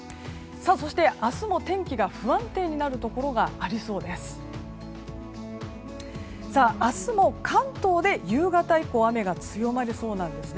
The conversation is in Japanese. そして、明日も天気が不安定になるところがありそうです。